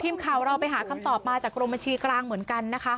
ทีมข่าวเราไปหาคำตอบมาจากกรมบัญชีกลางเหมือนกันนะคะ